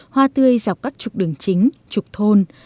hoa tươi dọc các trục đường chính trục thôn